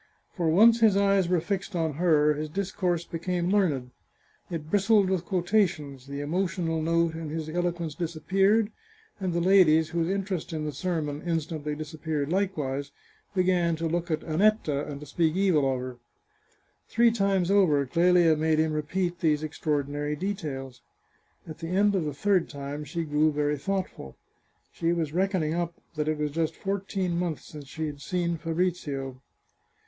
For once his eyes were fixed on her, his discourse became learned; it bristled with quotations, the emotional note in his elo quence disappeared, and the ladies, whose interest in the sermon instantly disappeared likewise, began to look at An netta, and speak evil of her. Three times over Clelia made him repeat these extraor dinary details. At the end of the third time she grew very thoughtful. She was reckoning up that it was just fourteen months since she had seen Fabrizio.